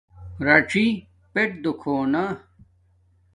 راچی پیٹ دو کھونا